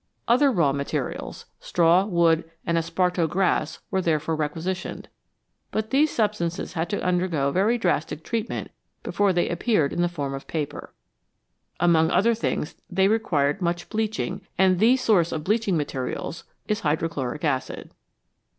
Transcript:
Other raw materials, straw, wood, and esparto grass, were therefore requisitioned, but these substances had to undergo very drastic treatment before they appeared in the form of paper. Among other things, they required much bleaching, and the source of bleaching materials is hydrochloric acid.